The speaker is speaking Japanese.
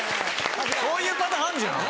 こういうパターンあんじゃん。